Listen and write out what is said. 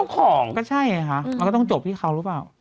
ก็ใช่นะคะมันก็ต้องจบที่เขาต้องหรือเปล่า